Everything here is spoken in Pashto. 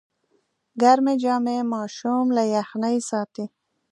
ګرمې جامې ماشوم له یخنۍ ساتي۔